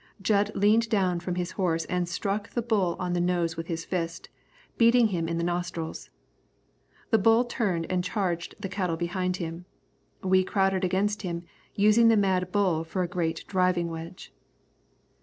Jud leaned down from his horse and struck the bull on the nose with his fist, beating him in the nostrils. The bull turned and charged the cattle behind him. We crowded against him, using the mad bull for a great driving wedge.